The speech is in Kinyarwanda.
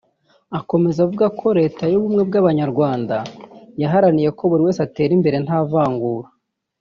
Akomeza avuga ko Leta y’ubumwe bw’abanyarwanda yaharaniye ko buri wese atera imbere nta vangura